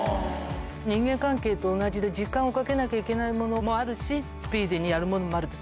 人間関係と同じで、時間をかけなきゃいけないものもあるし、スピーディーにやるものもあると。